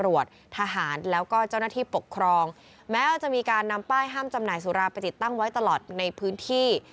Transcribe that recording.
ว่าจะมีการนำป้ายห้ามจำหน่ายสุราไปติดตั้งไว้ตลอดในพื้นที่